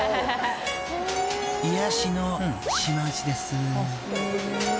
［癒やしの島内です］